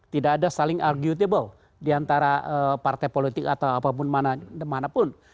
tidak ada saling arguable di antara partai politik atau apapun mana manapun